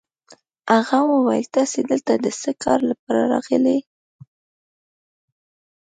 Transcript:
هغه وویل: تاسي دلته د څه کار لپاره راغلئ؟